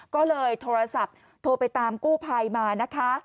ก็เลยโทรศัพท์โทรไปตามกู้ภัยมานะคะ